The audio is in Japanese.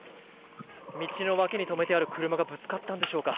道の脇に止めてある車がぶつかったんでしょうか。